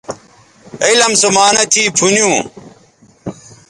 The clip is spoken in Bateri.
علم سو معانہ تھی پُھنیوں